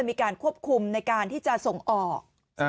มีการควบคุมในการที่จะส่งออก